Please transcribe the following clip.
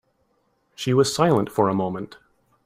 She was silent for a moment.